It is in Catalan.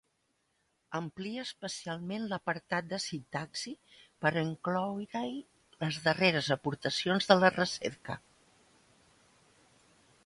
Amplia especialment l'apartat de sintaxi per incloure-hi les darreres aportacions de la recerca.